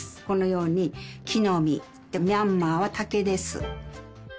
このように木の実ミャンマーは竹です